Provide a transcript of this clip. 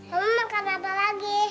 kamu makan apa lagi